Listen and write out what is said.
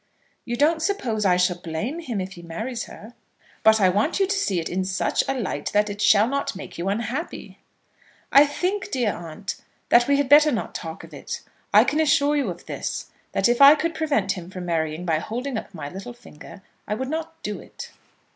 "You don't suppose I shall blame him if he marries her." "But I want you to see it in such a light that it shall not make you unhappy." "I think, dear aunt, that we had better not talk of it. I can assure you of this, that if I could prevent him from marrying by holding up my little finger, I would not do it."